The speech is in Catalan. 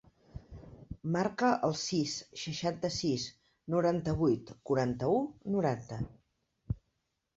Marca el sis, seixanta-sis, noranta-vuit, quaranta-u, noranta.